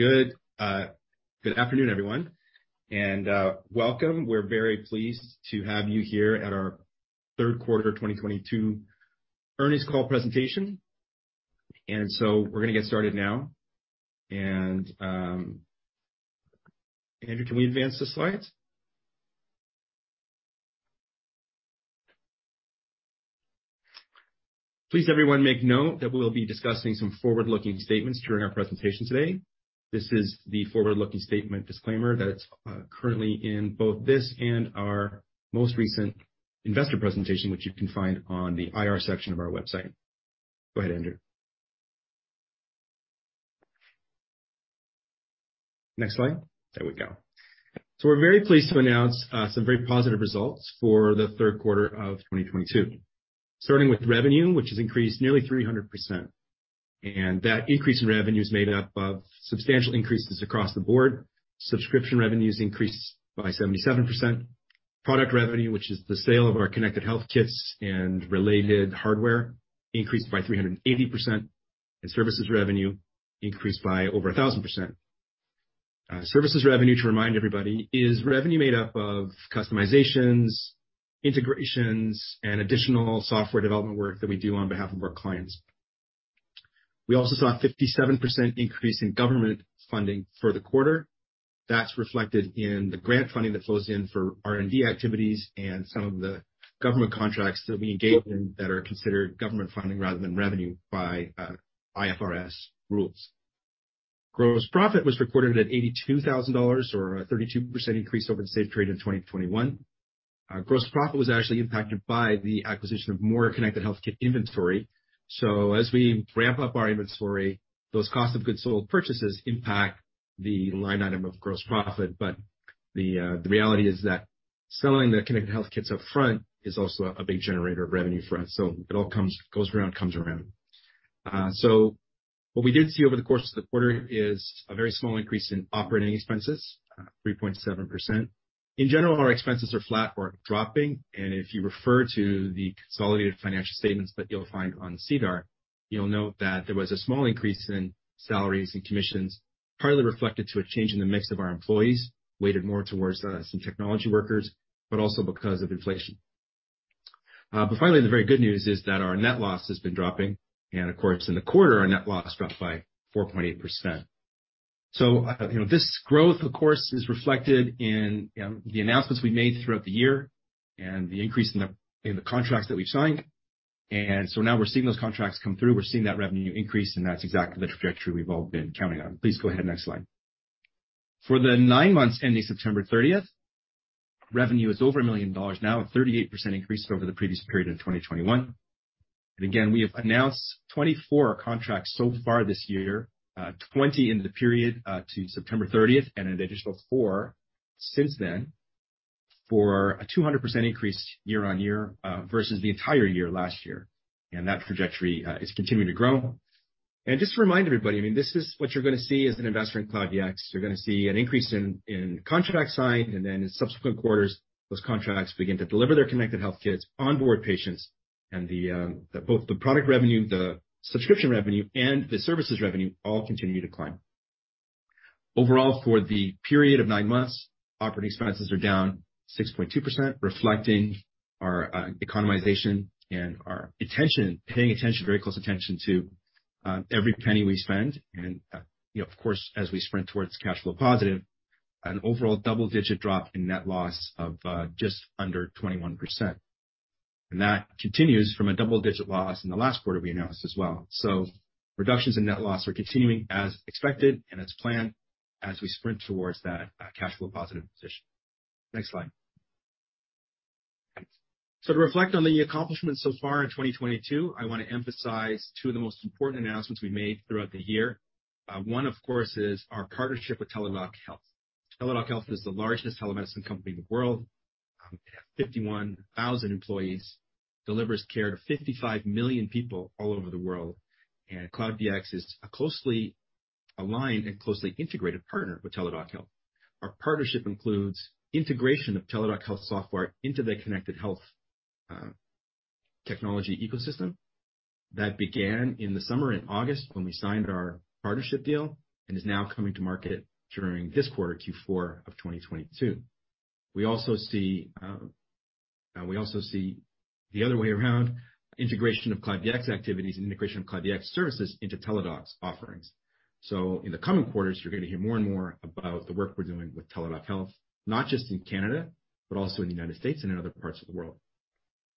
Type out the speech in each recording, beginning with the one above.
Good afternoon everyone and welcome. We're very pleased to have you here at our third quarter 2022 earnings call presentation. We're gonna get started now. Andrew, can we advance the slide? Please everyone make note that we'll be discussing some forward-looking statements during our presentation today. This is the forward-looking statement disclaimer that's currently in both this and our most recent investor presentation, which you can find on the IR section of our website. Go ahead, drew. Next slide. There we go. We're very pleased to announce some very positive results for the third quarter of 2022. Starting with revenue, which has increased nearly 300% and that increase in revenue is made up of substantial increases across the board. Subscription revenues increased by 77%. Product revenue, which is the sale of our Connected Health Kit and related hardware, increased by 380%. Services revenue increased by over 1,000%. Services revenue, to remind everybody is revenue made up of customizations, integrations, and additional software development work that we do on behalf of our clients. We also saw a 57% increase in government funding for the quarter. That's reflected in the grant funding that flows in for R&D activities and some of the government contracts that we engage in that are considered government funding rather than revenue by IFRS rules. Gross profit was recorded at 82,000 dollars or a 32% increase over the same period in 2021. Our gross profit was actually impacted by the acquisition of more Connected Health Kit inventory. As we ramp up our inventory those cost of goods sold purchases impact the line item of gross profit. The reality is that selling the Connected Health Kits up front is also a big generator of revenue for us. It all goes around, comes around. What we did see over the course of the quarter is a very small increase in operating expenses, 3.7%. In general, our expenses are flat or dropping. If you refer to the consolidated financial statements that you'll find on SEDAR, you'll note that there was a small increase in salaries and commissions, partly reflected to a change in the mix of our employees, weighted more towards some technology workers, but also because of inflation. Finally, the very good news is that our net loss has been dropping and of course in the quarter, our net loss dropped by 4.8%. You know, this growth, of course, is reflected in the announcements we made throughout the year and the increase in the contracts that we've signed. Now we're seeing those contracts come through. We're seeing that revenue increase, and that's exactly the trajectory we've all been counting on. Please go ahead, next slide. For the nine months ending September 30th revenue is over 1 million dollars now, a 38% increase over the previous period of 2021. Again, we have announced 24 contracts so far this year, 2020 in the period to September 30th and an additional four since then, for a 200% increase year-on-year versus the entire year last year. That trajectory is continuing to grow. Just to remind everybody, I mean, this is what you're gonna see as an investor in Cloud DX. You're gonna see an increase in contracts signed, and then in subsequent quarters, those contracts begin to deliver their Connected Health Kits, onboard patients, and both the product revenue, the subscription revenue, and the services revenue all continue to climb. Overall, for the period of nine months, operating expenses are down 6.2% reflecting our economization and our very close attention to every penny we spend. Of course as we sprint towards cash flow positive, an overall double-digit drop in net loss of just under 21%. That continues from a double-digit loss in the last quarter we announced as well. Reductions in net loss are continuing as expected and as planned as we sprint towards that cash flow positive position. Next slide. To reflect on the accomplishments so far in 2022, I wanna emphasize two of the most important announcements we made throughout the year. One, of course, is our partnership with Teladoc Health. Teladoc Health is the largest telemedicine company in the world, 51,000 employees delivers care to 55 million people all over the world. Cloud DX is a closely aligned and closely integrated partner with Teladoc Health. Our partnership includes integration of Teladoc Health software into the connected health technology ecosystem that began in the summer in August when we signed our partnership deal and is now coming to market during this quarter, Q4 of 2022. We also see the other way around, integration of Cloud DX activities and integration of Cloud DX services into Teladoc's offerings. In the coming quarters you're gonna hear more and more about the work we're doing with Teladoc Health not just in Canada but also in the United States and in other parts of the world.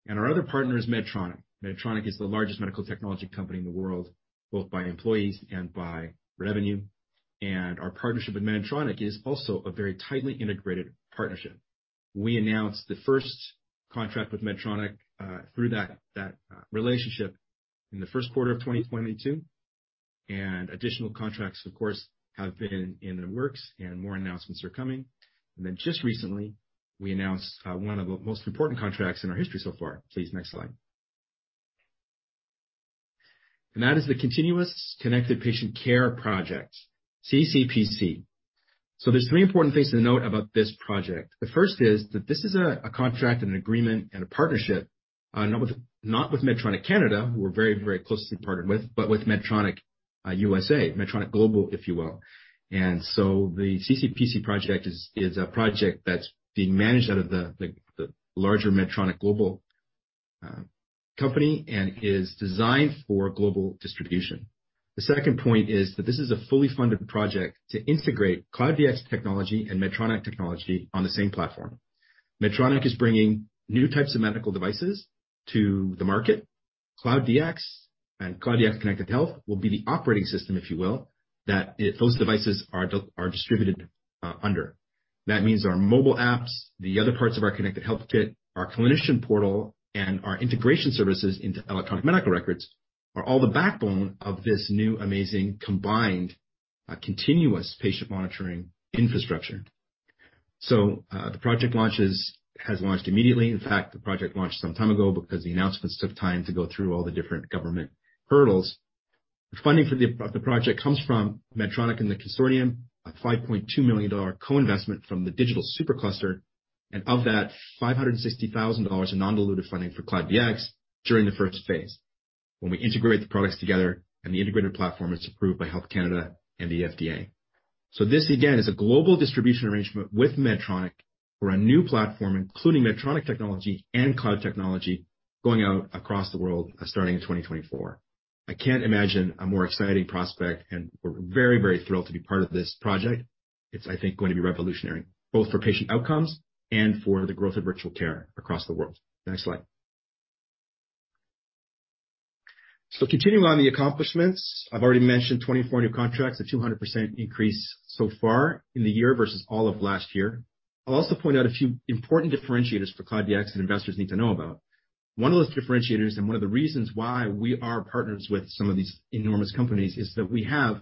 Our other partner is Medtronic. Medtronic is the largest medical technology company in the world both by employees and by revenue. Our partnership with Medtronic is also a very tightly integrated partnership. We announced the first contract with Medtronic through that relationship in the first quarter of 2022. Additional contracts, of course, have been in the works and more announcements are coming. Just recently, we announced one of the most important contracts in our history so far. Please, next slide. That is the Continuous Connected Patient Care project, CCPC. There's three important things to note about this project. The first is that this is a contract and an agreement and a partnership not with Medtronic Canada who we're very closely partnered with, but with Medtronic USA, Medtronic Global if you will. The CCPC project is a project that's being managed out of the larger Medtronic global company and is designed for global distribution. The second point is that this is a fully funded project to integrate Cloud DX technology and Medtronic technology on the same platform. Medtronic is bringing new types of medical devices to the market. Cloud DX and Cloud DX Connected Health will be the operating system if you will that those devices are distributed under. That means our mobile apps, the other parts of our Connected Health Kit, our Clinical Portal, and our integration services into electronic medical records are all the backbone of this new amazing, combined, continuous patient monitoring infrastructure. The project has launched immediately. In fact, the project launched some time ago because the announcements took time to go through all the different government hurdles. The funding for the project comes from Medtronic and the consortium, a 5.2 million dollar co-investment from the Digital Technology Supercluster, and of that, 560,000 dollars in non-dilutive funding for Cloud DX during the first phase when we integrate the products together and the integrated platform is approved by Health Canada and the FDA. This, again, is a global distribution arrangement with Medtronic for a new platform, including Medtronic technology and cloud technology going out across the world, starting in 2024. I can't imagine a more exciting prospect, and we're very, very thrilled to be part of this project. It's going to be revolutionary, both for patient outcomes and for the growth of virtual care across the world. Next slide. Continuing on the accomplishments. I've already mentioned 24 new contracts, a 200% increase so far in the year versus all of last year. I'll also point out a few important differentiators for Cloud DX that investors need to know about. One of those differentiators and one of the reasons why we are partners with some of these enormous companies is that we have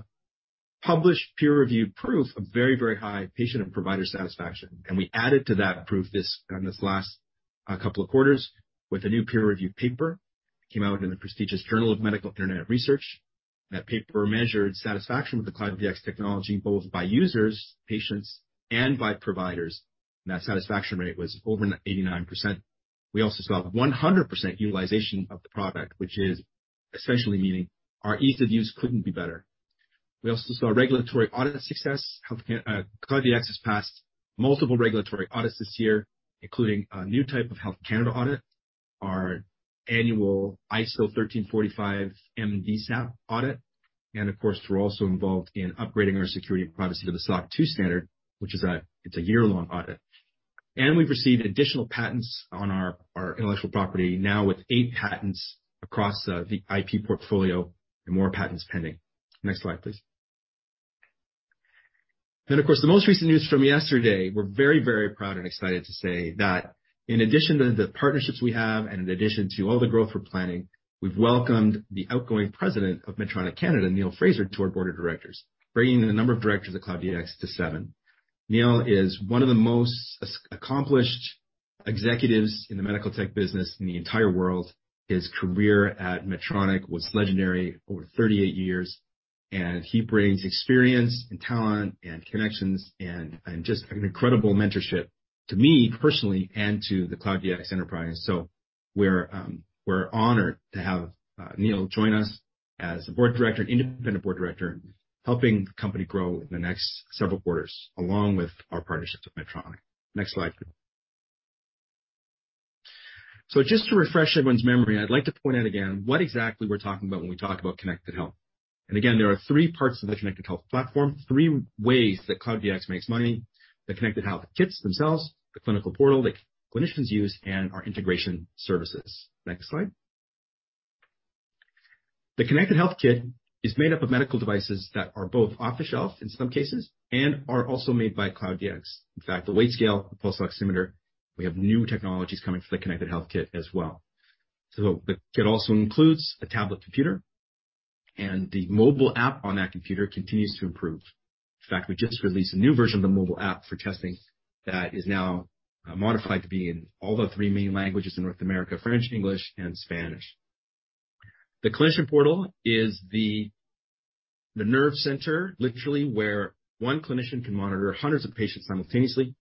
published peer-reviewed proof of very high patient and provider satisfaction. We added to that proof this last couple of quarters with a new peer-reviewed paper. It came out in the prestigious Journal of Medical Internet Research. That paper measured satisfaction with the Cloud DX technology, both by users, patients, and by providers. That satisfaction rate was over 89%. We also saw 100% utilization of the product which is essentially meaning our ease of use couldn't be better. We also saw regulatory audit success. Cloud DX has passed multiple regulatory audits this year, including a new type of Health Canada audit, our annual ISO 13485 MDSAP audit. Of course, we're also involved in upgrading our security and privacy to the SOC 2 standard, which is a year-long audit. We've received additional patents on our intellectual property, now with eight patents across the IP portfolio and more patents pending. Next slide, please. Of course, the most recent news from yesterday, we're very, very proud and excited to say that in addition to the partnerships we have and in addition to all the growth we're planning, we've welcomed the outgoing president of Medtronic Canada, Neil Fraser, to our board of directors, bringing the number of directors at Cloud DX to 7. Neil is one of the most accomplished executives in the medical tech business in the entire world. His career at Medtronic was legendary over 38 years, and he brings experience and talent and connections and just an incredible mentorship to me personally and to the Cloud DX enterprise. We're honored to have Neil join us as a board director, an independent board director, helping the company grow in the next several quarters, along with our partnerships with Medtronic. Next slide, please. Just to refresh everyone's memory, I'd like to point out again what exactly we're talking about when we talk about Connected Health. Again, there are three parts of the Connected Health platform three ways that Cloud DX makes money, the Connected Health kits themselves, the Clinical Portal that clinicians use and our integration services. Next slide. The Connected Health Kit is made up of medical devices that are both off-the-shelf in some cases and are also made by Cloud DX. In fact, the weight scale, the pulse oximeter, we have new technologies coming for the Connected Health Kit as well. The kit also includes a tablet computer, and the mobile app on that computer continues to improve. In fact we just released a new version of the mobile app for testing that is now modified to be in all the three main languages in North America, French, English, and Spanish. The Clinical Portal is the nerve center, literally, where one clinician can monitor hundreds of patients simultaneously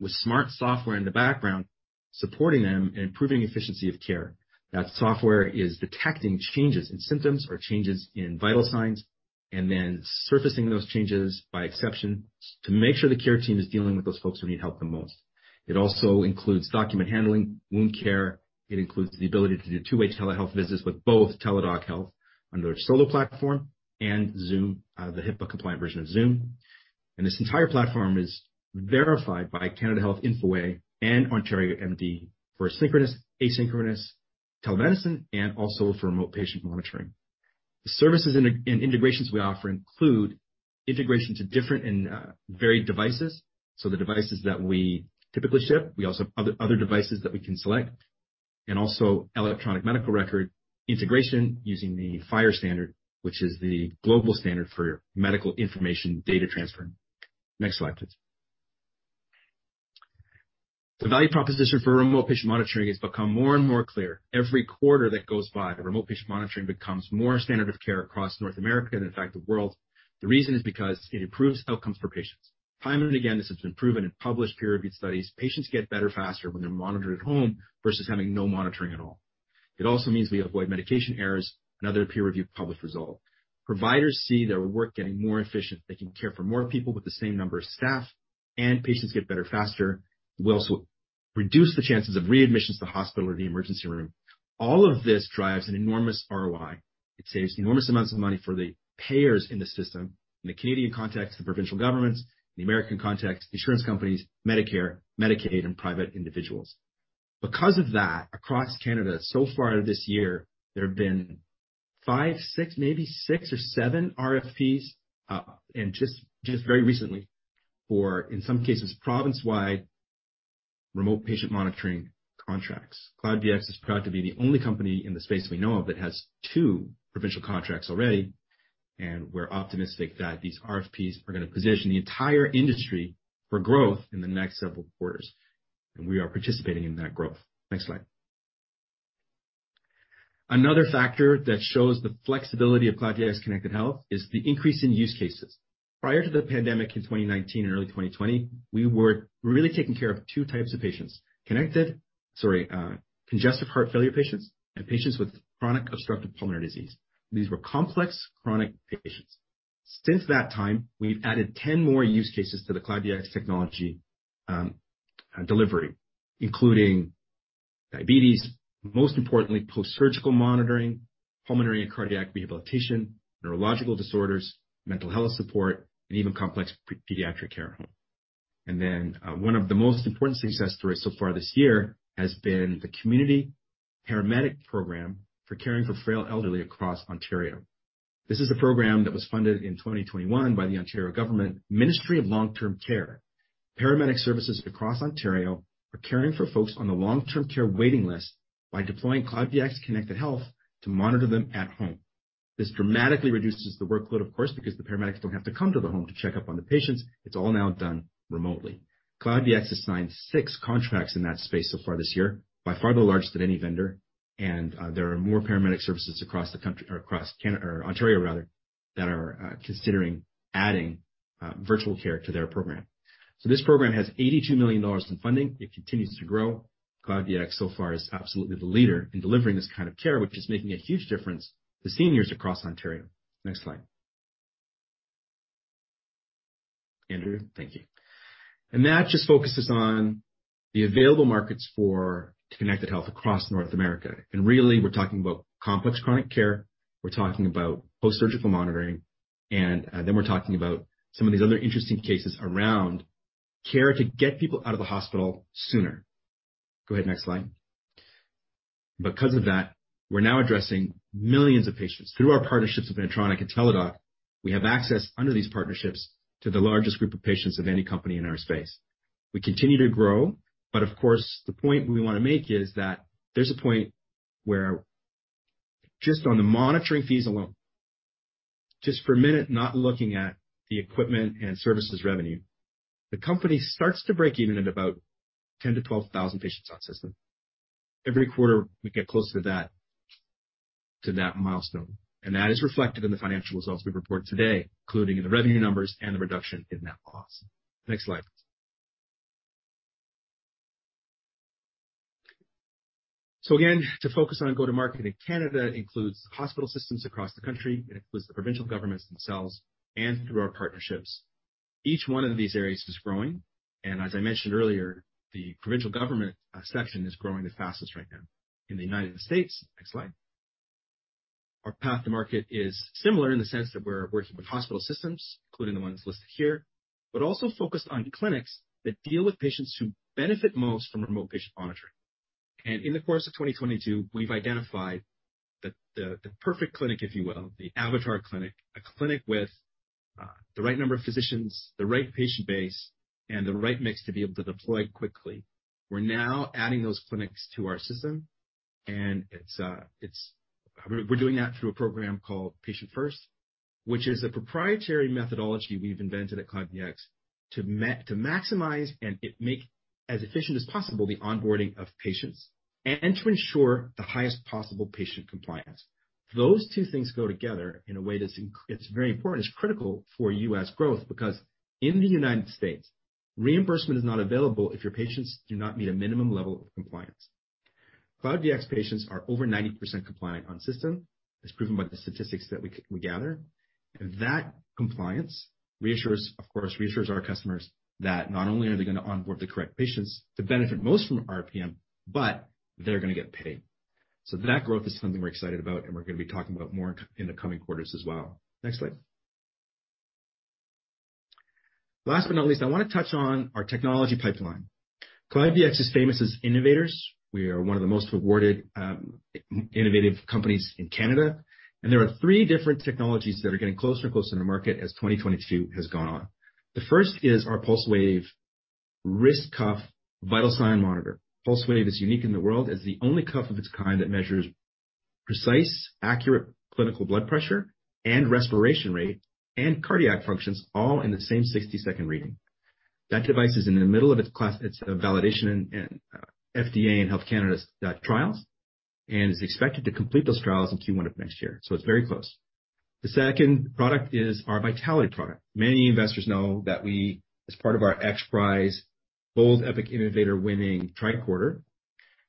with smart software in the background, supporting them and improving efficiency of care. That software is detecting changes in symptoms or changes in vital signs and then surfacing those changes by exception to make sure the care team is dealing with those folks who need help the most. It also includes document handling, wound care. It includes the ability to do two-way telehealth visits with both Teladoc Health on their Solo platform and Zoom, the HIPAA-compliant version of Zoom. This entire platform is verified by Canada Health Infoway and OntarioMD for synchronous, asynchronous telemedicine and also for remote patient monitoring. The services and integrations we offer include integration to different and varied devices, so the devices that we typically ship. We also have other devices that we can select. Also, electronic medical record integration using the FHIR standard, which is the global standard for medical information data transfer. Next slide, please. The value proposition for remote patient monitoring has become more and more clear. Every quarter that goes by, remote patient monitoring becomes more standard of care across North America and in fact the world. The reason is because it improves outcomes for patients. Time and again, this has been proven in published peer-reviewed studies. Patients get better faster when they're monitored at home versus having no monitoring at all. It also means we avoid medication errors and other peer-reviewed published results. Providers see their work getting more efficient. They can care for more people with the same number of staff, and patients get better faster. We also reduce the chances of readmissions to hospital or the emergency room. All of this drives an enormous ROI. It saves enormous amounts of money for the payers in the system. In the Canadian context, the provincial governments, in the American context, insurance companies, Medicare, Medicaid, and private individuals. Because of that, across Canada so far this year, there have been five, six, maybe six or seven RFPs, and just very recently for, in some cases, province-wide remote patient monitoring contracts. Cloud DX is proud to be the only company in the space we know of that has two provincial contracts already, and we're optimistic that these RFPs are gonna position the entire industry for growth in the next several quarters, and we are participating in that growth. Next slide. Another factor that shows the flexibility of Cloud DX Connected Health is the increase in use cases. Prior to the pandemic in 2019 and early 2020, we were really taking care of two types of patients, connected. Congestive heart failure patients and patients with chronic obstructive pulmonary disease. These were complex chronic patients. Since that time we've added 10 more use cases to the Cloud DX technology delivery, including diabetes, most importantly, post-surgical monitoring, pulmonary and cardiac rehabilitation, neurological disorders, mental health support, and even complex pediatric care at home. One of the most important success stories so far this year has been the community paramedic program for caring for frail elderly across Ontario. This is a program that was funded in 2021 by the Ontario government, Ministry of Long-Term Care. Paramedic services across Ontario are caring for folks on the long-term care waiting list by deploying Cloud DX Connected Health to monitor them at home. This dramatically reduces the workload of course because the paramedics don't have to come to the home to check up on the patients. It's all now done remotely. Cloud DX has signed six contracts in that space so far this year, by far the largest of any vendor, and there are more paramedic services across Ontario rather that are considering adding virtual care to their program. This program has 82 million dollars in funding. It continues to grow. Cloud DX so far is absolutely the leader in delivering this kind of care, which is making a huge difference to seniors across Ontario. Next slide. Andrew, thank you. That just focuses on the available markets for connected health across North America. Really we're talking about complex chronic care. We're talking about post-surgical monitoring, and then we're talking about some of these other interesting cases around care to get people out of the hospital sooner. Go ahead next slide. Because of that, we're now addressing millions of patients. Through our partnerships with Medtronic and Teladoc we have access under these partnerships to the largest group of patients of any company in our space. We continue to grow, but of course, the point we wanna make is that there's a point where just on the monitoring fees alone, just for a minute, not looking at the equipment and services revenue, the company starts to break even at about 10,000-12,000 patients on system. Every quarter we get closer to that milestone, and that is reflected in the financial results we report today, including in the revenue numbers and the reduction in net loss. Next slide. Again to focus on go-to-market in Canada includes the hospital systems across the country. It includes the provincial governments themselves and through our partnerships. Each one of these areas is growing, and as I mentioned earlier, the provincial government section is growing the fastest right now. In the United States, next slide, our path to market is similar in the sense that we're working with hospital systems, including the ones listed here. But also focused on clinics that deal with patients who benefit most from remote patient monitoring. In the course of 2022, we've identified the perfect clinic, if you will, the avatar clinic. A clinic with the right number of physicians, the right patient base, and the right mix to be able to deploy quickly. We're now adding those clinics to our system. We're doing that through a program called Patient First, which is a proprietary methodology we've invented at Cloud DX to maximize and make as efficient as possible the onboarding of patients and to ensure the highest possible patient compliance. Those two things go together in a way that's. It's very important. It's critical for U.S. growth because in the United States, reimbursement is not available if your patients do not meet a minimum level of compliance. Cloud DX patients are over 90% compliant on system. It's proven by the statistics that we gather. That compliance reassures, of course, our customers that not only are they gonna onboard the correct patients to benefit most from RPM but they're gonna get paid. That growth is something we're excited about, and we're gonna be talking about more in the coming quarters as well. Next slide. Last but not least, I wanna touch on our technology pipeline. Cloud DX is famous as innovators. We are one of the most awarded, innovative companies in Canada, and there are three different technologies that are getting closer and closer to market as 2022 has gone on. The first is our PulseWave wrist cuff vital sign monitor. PulseWave is unique in the world as the only cuff of its kind that measures precise, accurate clinical blood pressure and respiration rate and cardiac functions all in the same 60-second reading. That device is in the middle of its class, its validation in FDA and Health Canada's trials, and is expected to complete those trials in Q1 of next year. So it's very close. The second product is our Vitaliti product. Many investors know that we, as part of our XPRIZE Bold Epic Innovator winning tricorder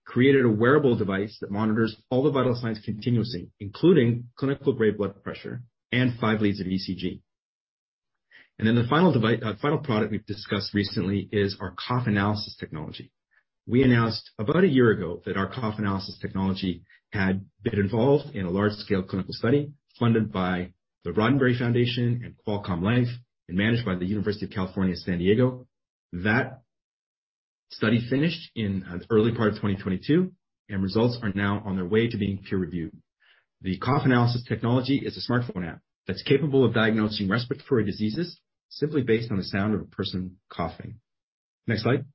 created a wearable device that monitors all the vital signs continuously, including clinical-grade blood pressure and five leads of ECG. The final product we've discussed recently is our cough analysis technology. We announced about a year ago that our cough analysis technology had been involved in a large-scale clinical study funded by The Roddenberry Foundation and Qualcomm Life and managed by the University of California, San Diego. That study finished in early part of 2022 and results are now on their way to being peer-reviewed. The cough analysis technology is a smartphone app that's capable of diagnosing respiratory diseases simply based on the sound of a person coughing. Next slide.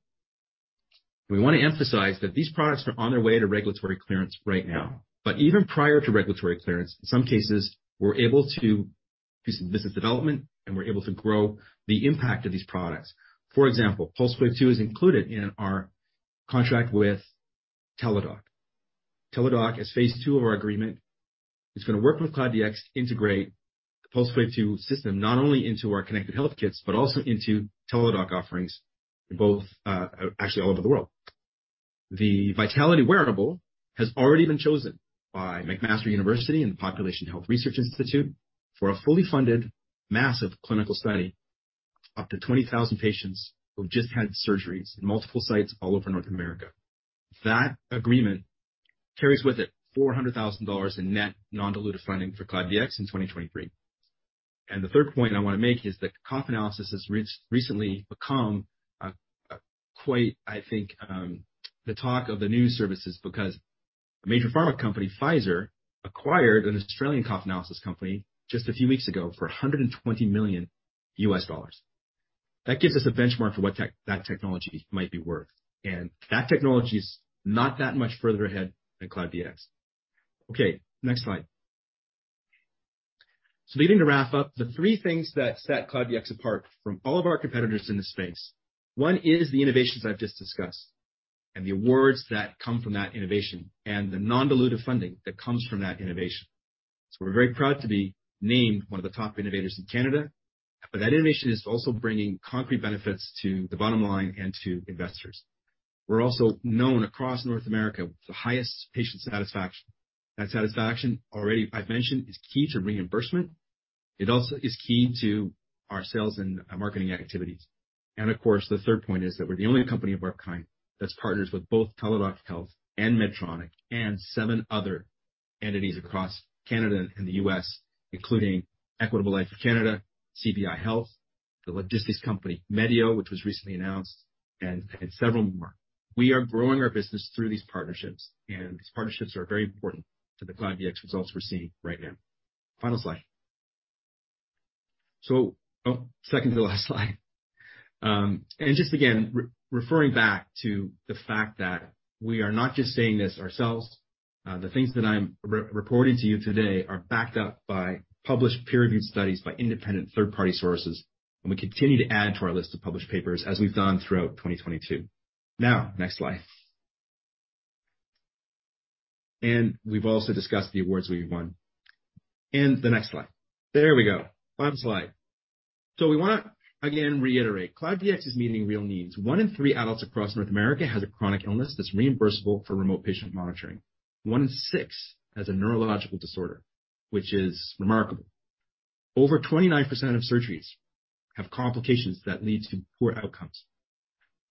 We wanna emphasize that these products are on their way to regulatory clearance right now. Even prior to regulatory clearance, in some cases, we're able to do some business development and we're able to grow the impact of these products. For example, Pulsewave 2 is included in our contract with Teladoc. Teladoc is Phase 2 of our agreement. It's gonna work with Cloud DX to integrate the Pulsewave 2 system, not only into our connected health kits, but also into Teladoc offerings, both, actually all over the world. The Vitaliti wearable has already been chosen by McMaster University and the Population Health Research Institute for a fully funded massive clinical study of up to 20,000 patients who've just had surgeries in multiple sites all over North America. That agreement carries with it 400,000 dollars in net non-dilutive funding for Cloud DX in 2023. The third point I wanna make is that cough analysis has recently become quite, I think, the talk of the new services because a major pharma company, Pfizer, acquired an Australian cough analysis company just a few weeks ago for $120 million. That gives us a benchmark for what that technology might be worth. That technology is not that much further ahead than Cloud DX. Okay, next slide. Beginning to wrap up, the three things that set Cloud DX apart from all of our competitors in this space. One is the innovations I've just discussed and the awards that come from that innovation and the non-dilutive funding that comes from that innovation. We're very proud to be named one of the top innovators in Canada, but that innovation is also bringing concrete benefits to the bottom line and to investors. We're also known across North America with the highest patient satisfaction. That satisfaction, already I've mentioned, is key to reimbursement. It also is key to our sales and marketing activities. Of course, the third point is that we're the only company of our kind that's partners with both Teladoc Health and Medtronic and seven other entities across Canada and the U.S., including Equitable Life of Canada, CBI Health, the logistics company Medioh, which was recently announced, and several more. We are growing our business through these partnerships, and these partnerships are very important to the Cloud DX results we're seeing right now. Final slide. Oh, second to last slide. Just again, referring back to the fact that we are not just saying this ourselves. The things that I'm reporting to you today are backed up by published peer-reviewed studies by independent third-party sources, and we continue to add to our list of published papers as we've done throughout 2022. Now, next slide. We've also discussed the awards we won. The next slide. There we go. Final slide. We wanna again reiterate, Cloud DX is meeting real needs. One in three adults across North America has a chronic illness that's reimbursable for remote patient monitoring. One in six has a neurological disorder, which is remarkable. Over 29% of surgeries have complications that lead to poor outcomes.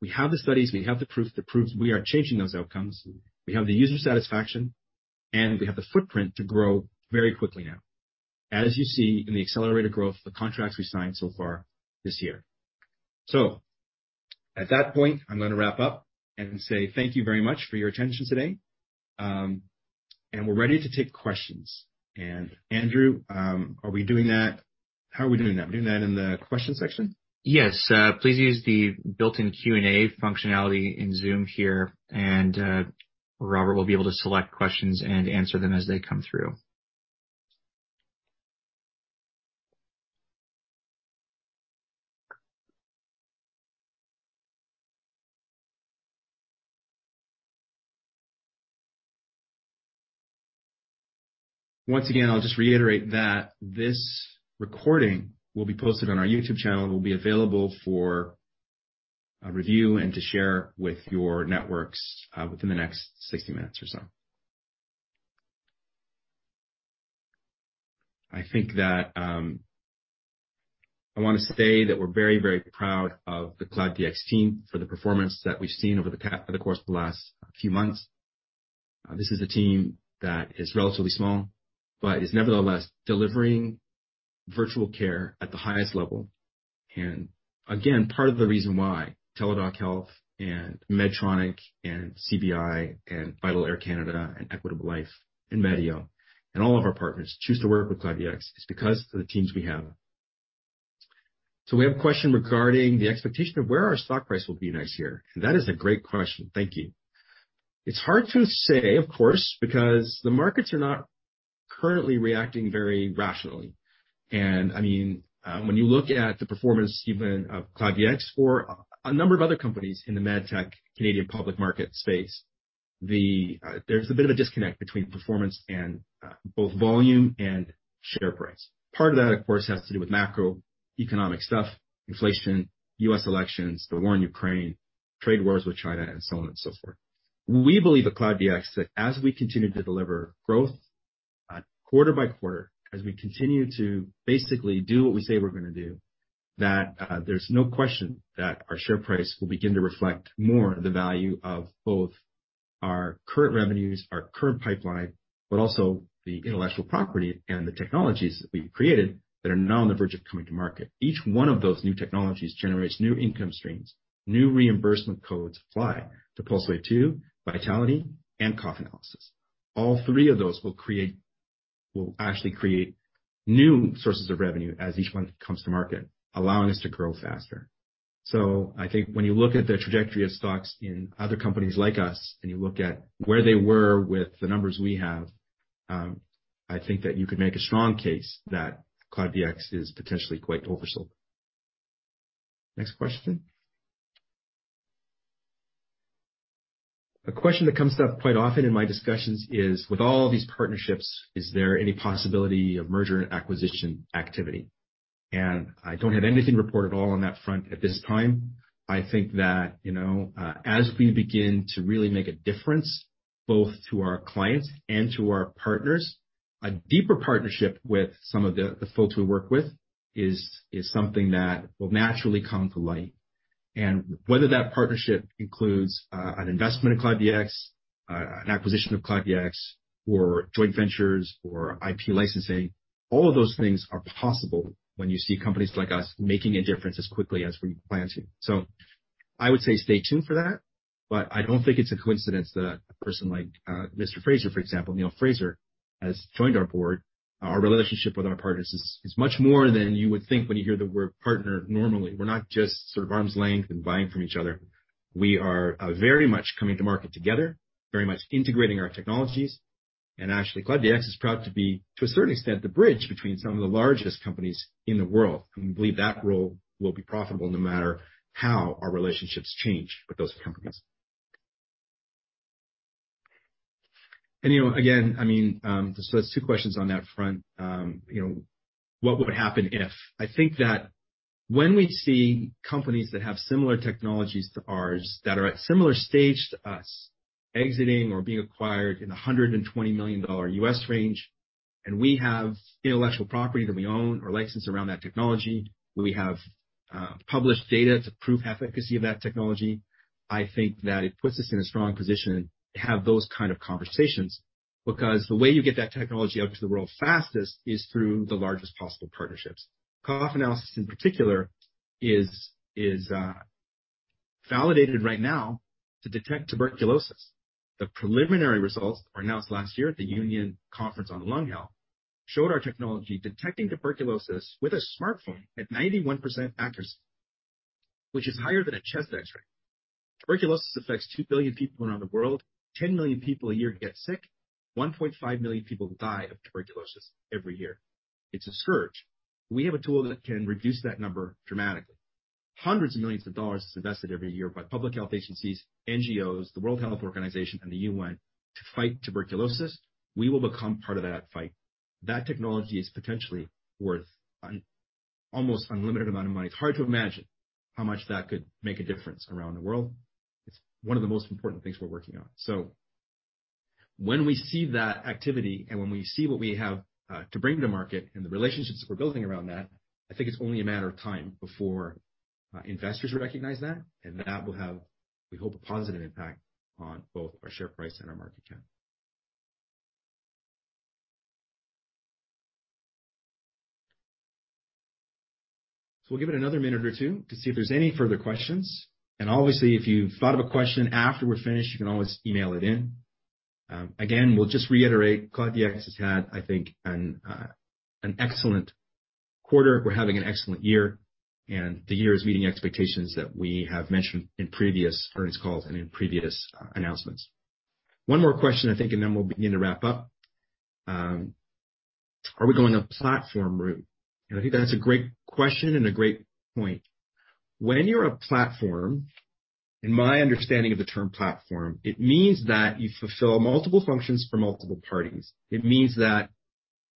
We have the studies, we have the proof that proves we are changing those outcomes. We have the user satisfaction, and we have the footprint to grow very quickly now, as you see in the accelerated growth of the contracts we've signed so far this year. At that point, I'm gonna wrap up and say thank you very much for your attention today. We're ready to take questions. Andrew, are we doing that? How are we doing that? We doing that in the question section? Yes. Please use the built-in Q&A functionality in Zoom here, and Robert will be able to select questions and answer them as they come through. Once again, I'll just reiterate that this recording will be posted on our YouTube channel. It will be available for review and to share with your networks within the next 60 minutes or so. I think that I wanna say that we're very, very proud of the Cloud DX team for the performance that we've seen over the course of the last few months. This is a team that is relatively small, but is nevertheless delivering virtual care at the highest level. Again, part of the reason why Teladoc Health and Medtronic and CBI and VitalAire Canada and Equitable Life and Medioh and all of our partners choose to work with Cloud DX is because of the teams we have. We have a question regarding the expectation of where our stock price will be next year. That is a great question. Thank you. It's hard to say, of course, because the markets are not currently reacting very rationally. I mean, when you look at the performance even of Cloud DX or a number of other companies in the med tech Canadian public market space, there's a bit of a disconnect between performance and both volume and share price. Part of that, of course, has to do with macroeconomic stuff, inflation, U.S. elections, the war in Ukraine, trade wars with China, and so on and so forth. We believe at Cloud DX that as we continue to deliver growth quarter by quarter, as we continue to basically do what we say we're gonna do, that there's no question that our share price will begin to reflect more of the value of both our current revenues, our current pipeline, but also the intellectual property and the technologies that we've created that are now on the verge of coming to market. Each one of those new technologies generates new income streams, new reimbursement codes apply to PulseWave 2, Vitaliti, and Cough Analysis. All three of those will actually create new sources of revenue as each one comes to market, allowing us to grow faster. I think when you look at the trajectory of stocks in other companies like us, and you look at where they were with the numbers we have, I think that you could make a strong case that Cloud DX is potentially quite oversold. Next question. A question that comes up quite often in my discussions is: with all of these partnerships, is there any possibility of merger and acquisition activity? I don't have anything to report at all on that front at this time. I think that you know as we begin to really make a difference, both to our clients and to our partners, a deeper partnership with some of the folks we work with is something that will naturally come to light. Whether that partnership includes an investment in Cloud DX, an acquisition of Cloud DX, or joint ventures or IP licensing, all of those things are possible when you see companies like us making a difference as quickly as we plan to. I would say stay tuned for that. I don't think it's a coincidence that a person like Mr. Fraser, for example, Neil Fraser, has joined our board. Our relationship with our partners is much more than you would think when you hear the word partner normally. We're not just sort of arm's length and buying from each other. We are very much coming to market together, very much integrating our technologies. Actually, Cloud DX is proud to be, to a certain extent, the bridge between some of the largest companies in the world. We believe that role will be profitable no matter how our relationships change with those companies. You know, again, so there's two questions on that front. I think that when we see companies that have similar technologies to ours that are at similar stage to us exiting or being acquired in the $120 million range, and we have intellectual property that we own or license around that technology. We have published data to prove efficacy of that technology. I think that it puts us in a strong position to have those kind of conversations, because the way you get that technology out to the world fastest is through the largest possible partnerships. Cough analysis, in particular, is validated right now to detect tuberculosis. The preliminary results were announced last year at the Union World Conference on Lung Health, showed our technology detecting tuberculosis with a smartphone at 91% accuracy, which is higher than a chest X-ray. Tuberculosis affects 2 billion people around the world. 10 million people a year get sick. 1.5 million people die of tuberculosis every year. It's a scourge. We have a tool that can reduce that number dramatically. CAD hundreds of millions is invested every year by public health agencies, NGOs, the World Health Organization, and the UN to fight tuberculosis. We will become part of that fight. That technology is potentially worth an almost unlimited amount of money. It's hard to imagine how much that could make a difference around the world. It's one of the most important things we're working on. When we see that activity and when we see what we have to bring to market and the relationships we're building around that, I think it's only a matter of time before investors recognize that, and that will have, we hope, a positive impact on both our share price and our market cap. We'll give it another minute or two to see if there's any further questions. Obviously, if you've thought of a question after we're finished, you can always email it in. Again, we'll just reiterate, Cloud DX has had I think an excellent quarter. We're having an excellent year, and the year is meeting expectations that we have mentioned in previous earnings calls and in previous announcements. One more question, I think, and then we'll begin to wrap up. Are we going the platform route? I think that's a great question and a great point. When you're a platform, in my understanding of the term platform, it means that you fulfill multiple functions for multiple parties. It means that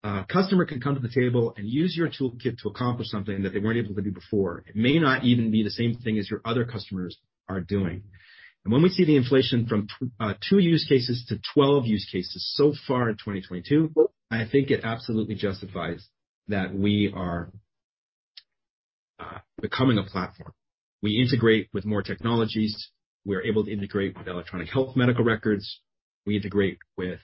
a customer can come to the table and use your toolkit to accomplish something that they weren't able to do before. It may not even be the same thing as your other customers are doing. When we see the inflation from two use cases to 12 use cases so far in 2022, I think it absolutely justifies that we are becoming a platform. We integrate with more technologies. We're able to integrate with electronic health medical records. We integrate with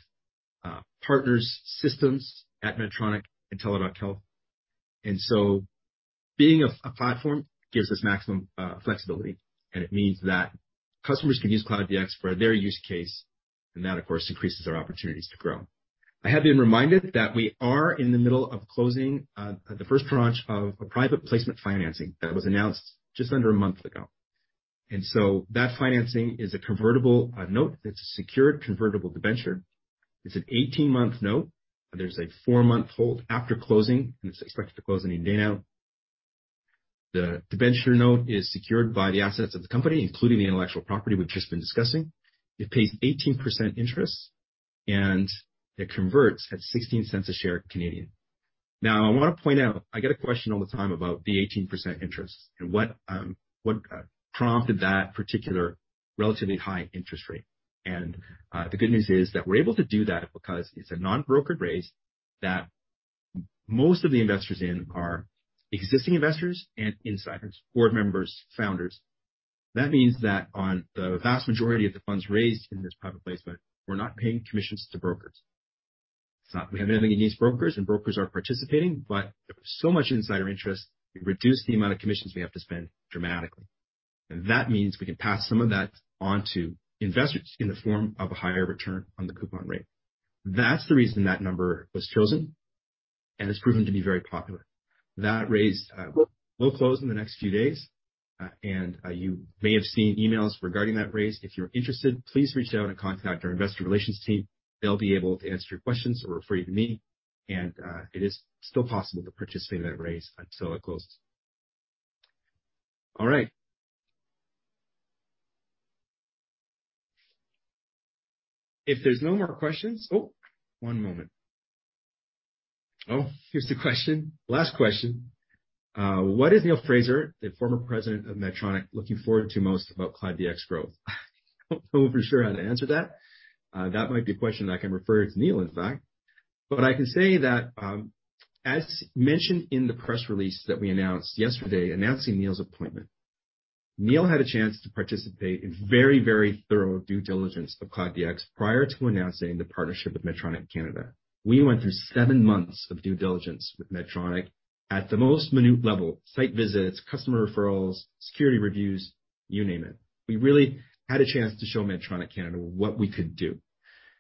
partners' systems at Medtronic and Teladoc Health. Being a platform gives us maximum flexibility, and it means that customers can use Cloud DX for their use case, and that, of course, increases our opportunities to grow. I have been reminded that we are in the middle of closing the first tranche of a private placement financing that was announced just under a month ago. That financing is a convertible note. It's a secured convertible debenture. It's an 18-month note, and there's a four-month hold after closing, and it's expected to close any day now. The debenture note is secured by the assets of the company, including the intellectual property we've just been discussing. It pays 18% interest, and it converts at 0.16 a share. Now, I wanna point out, I get a question all the time about the 18% interest and what prompted that particular relatively high interest rate. The good news is that we're able to do that because it's a non-brokered raise that most of the investors in are existing investors and insiders, board members, founders. That means that on the vast majority of the funds raised in this private placement we're not paying commissions to brokers. It's not that we have anything against brokers, and brokers are participating, but there was so much insider interest, we reduced the amount of commissions we have to spend dramatically. That means we can pass some of that on to investors in the form of a higher return on the coupon rate. That's the reason that number was chosen, and it's proven to be very popular. That raise will close in the next few days, and you may have seen emails regarding that raise. If you're interested, please reach out and contact our investor relations team. They'll be able to answer your questions or refer you to me. It is still possible to participate in that raise until it closes. All right. If there's no more questions. One moment. Oh, here's the question. Last question. What is Neil Fraser, the former president of Medtronic, looking forward to most about Cloud DX growth? I don't know for sure how to answer that. That might be a question that I can refer to Neil, in fact. I can say that, as mentioned in the press release that we announced yesterday announcing Neil's appointment, Neil had a chance to participate in very thorough due diligence of Cloud DX prior to announcing the partnership with Medtronic Canada. We went through seven months of due diligence with Medtronic at the most minute level. Site visits, customer referrals, security reviews, you name it. We really had a chance to show Medtronic Canada what we could do,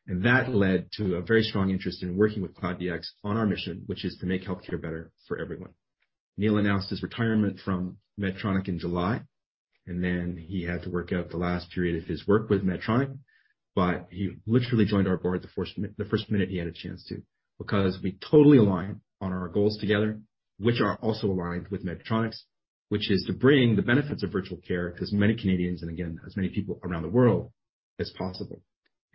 and that led to a very strong interest in working with Cloud DX on our mission, which is to make healthcare better for everyone. Neil announced his retirement from Medtronic in July and then he had to work out the last period of his work with Medtronic. He literally joined our board the first minute he had a chance to, because we totally align on our goals together which are also aligned with Medtronic's, which is to bring the benefits of virtual care to as many Canadians and again as many people around the world as possible.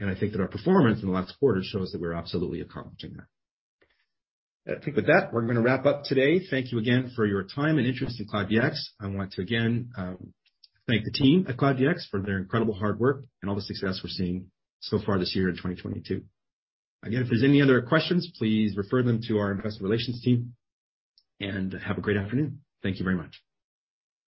I think that our performance in the last quarter shows that we're absolutely accomplishing that. I think with that, we're gonna wrap up today. Thank you again for your time and interest in Cloud DX. I want to again thank the team at Cloud DX for their incredible hard work and all the success we're seeing so far this year in 2022. Again if there's any other questions, please refer them to our investor relations team, and have a great afternoon. Thank you very much.